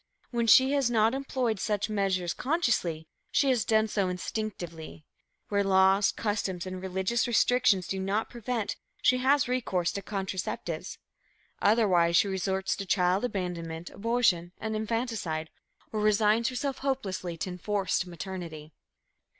When she has not employed such measures consciously, she has done so instinctively. Where laws, customs and religious restrictions do not prevent, she has recourse to contraceptives. Otherwise, she resorts to child abandonment, abortion and infanticide, or resigns herself hopelessly to enforced maternity.